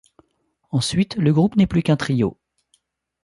Ensuite, le groupe n'est plus qu'un trio.